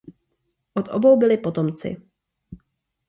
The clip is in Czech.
Od obou byli potomci.